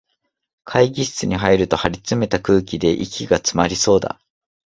会議室に入ると、張りつめた空気で息がつまりそうだ